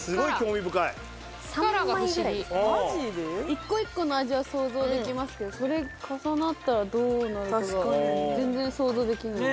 ・一個一個の味は想像できますけどそれ重なったらどうなるかが全然想像できない。